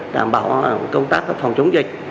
đảm bảo công tác phòng chống dịch